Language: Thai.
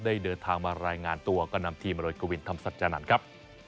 ได้เดินทางมารายงานตัวก็นำทีมอร่อยกวินธรรมศาสตร์จากนั้นครับ